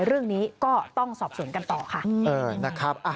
เรื่องนี้ก็ต้องสอบสวนกันต่อค่ะนะครับ